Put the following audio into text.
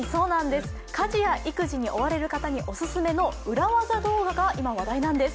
家事や育児に追われる方にお薦めの裏技動画が今、話題なんです。